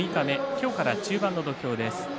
今日から中盤の土俵です。